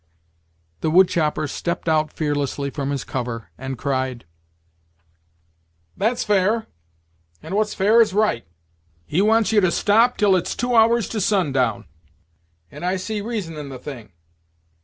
The wood chopper stepped out fearlessly from his cover, and cried: "That's fair; and what's fair is right. He wants you to stop till it's two hours to sundown; and I see reason in the thing.